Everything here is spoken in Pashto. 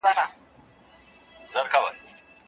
خو دا یو ناسم او غلط فکر دی.